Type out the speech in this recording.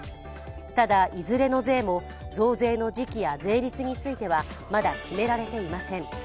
ただ、いずれの税も増税の時期や税率についてはまだ決められていません。